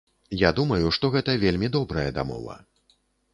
Я думаю, што гэта вельмі добрая дамова.